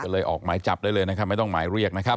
เลยออกหมายจับได้เลยนะครับ